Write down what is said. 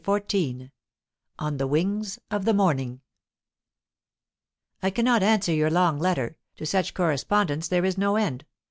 CHAPTER XIV ON THE WINGS OF THE MORNING "I cannot answer your long letter; to such correspondence there is no end.